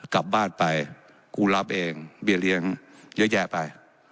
กลับบ้านไปกูรับเองเบี้ยเลี้ยงเยอะแยะไป